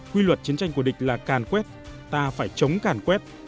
quy luật chiến tranh của địch là càn quét ta phải chống càn quét